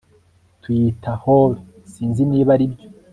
Tuyita Hor Sinzi niba aribyo